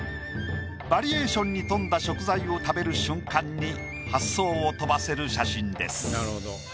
バリエーションに富んだ食材を食べる瞬間に発想を飛ばせる写真です。